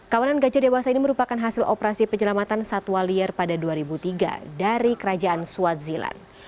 kawanan gajah dewasa ini merupakan hasil operasi penyelamatan satwa liar pada dua ribu tiga dari kerajaan swaziland